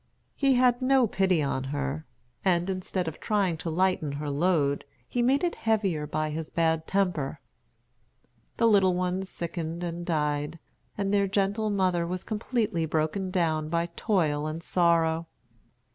He had no pity on her, and instead of trying to lighten her load, he made it heavier by his bad temper. The little ones sickened and died, and their gentle mother was completely broken down by toil and sorrow.